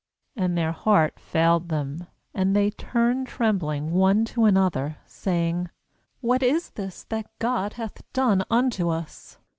And their heart failed them, and they turned trembling one to another, say ing: 'What is this that God hath done unto us?'